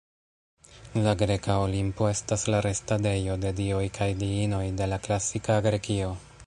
La greka Olimpo estas la restadejo de dioj kaj diinoj de la klasika Grekio.